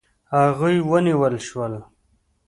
هغوی ونیول شول.